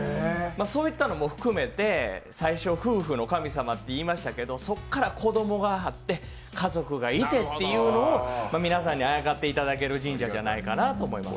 そういったものも含めて最初夫婦の神様って言いましたけど、そこから子供があって、家族がいてというのを皆さんにあやかっていただける神社じゃないかなと思います。